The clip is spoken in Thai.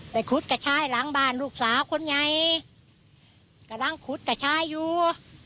ขุดกระชายหลังบ้านลูกสาวคนใหญ่กำลังขุดกระชายอยู่